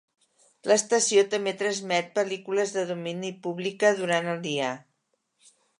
L'estació també transmet pel·lícules de domini pública durant el dia.